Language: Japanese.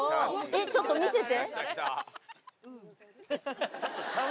ちょっと見せて。